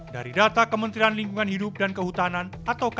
dari data kementerian lingkungan hidup dan kehutanan atau kkm